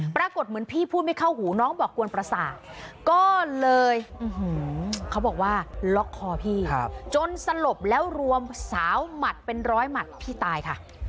ปรากฏเหมือนพี่พูดไม่เข้าหูน้องบอกกวนประสาทก็เลยเขาบอกว่าล็อกคอพี่จนสลบแล้วรวมสาวหมัดเป็นร้อยหมัดพี่ตายค่ะ